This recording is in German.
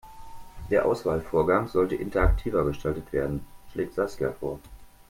Der Auswahlvorgang sollte interaktiver gestaltet werden, schlägt Saskia vor.